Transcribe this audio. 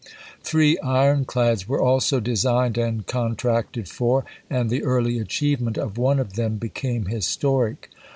Three ironclads were also designed and contracted for, and the early achievement of one of them became historic.